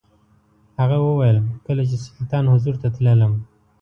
هغه وویل کله چې سلطان حضور ته تللم.